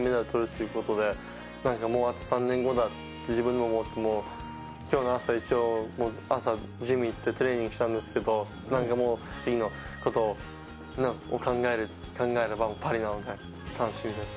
いうことで、なんかもう、あと３年後だって自分でも思って、きょうの朝、一応、朝、ジム行って、トレーニングしたんですけど、なんかもう、次のことを考えればパリなので楽しみです。